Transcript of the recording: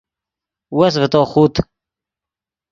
وس ڤے تو خوت